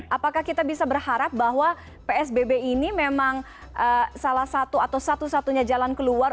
apakah kita bisa berharap bahwa psbb ini memang salah satu atau satu satunya jalan keluar